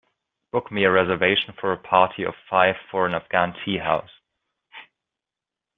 Book me a reservation for a party of five for an afghan tea house